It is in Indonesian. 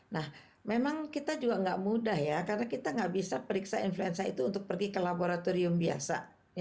nah memang kita juga nggak mudah ya karena kita nggak bisa periksa influenza itu untuk pergi ke laboratorium biasa